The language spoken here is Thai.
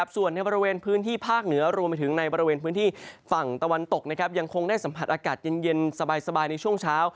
ส่วนในบริเวณพื้นที่ภาคเหนือรวมไปถึงในบริเวณพื้นที่ฝั่งตะวันตกยังคงได้สัมผัสอากาศเย็นสบายในช่วงเช้า